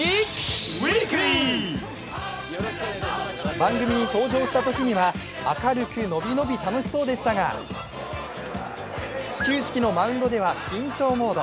番組に登場したときには明るく伸び伸び楽しそうでしたが始球式のマウンドでは緊張モード。